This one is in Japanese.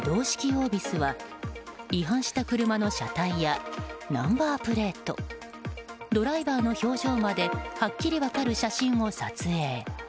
オービスは違反した車の車体やナンバープレートドライバーの表情まではっきり分かる写真を撮影。